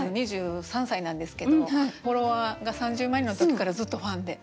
２３歳なんですけどフォロワーが３０万人の時からずっとファンで。